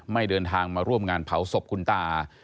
เดินทางมาร่วมงานเผาศพคุณตา